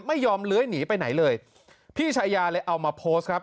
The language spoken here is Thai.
ไม่ยอมเลื้อยหนีไปไหนเลยพี่ชายาเลยเอามาโพสต์ครับ